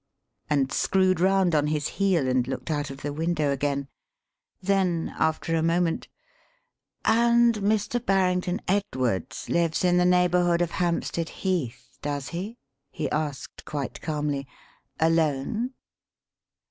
and screwed round on his heel and looked out of the window again. Then, after a moment: "And Mr. Barrington Edwards lives in the neighbourhood of Hampstead Heath, does he?" he asked quite calmly. "Alone?"